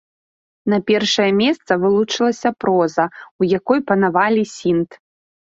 На першае месца вылучылася проза, у якой панавалі сінт.